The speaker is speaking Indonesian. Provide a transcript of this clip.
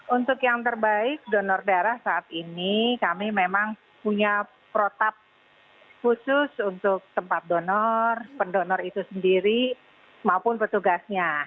untuk yang terbaik donor darah saat ini kami memang punya protap khusus untuk tempat donor pendonor itu sendiri maupun petugasnya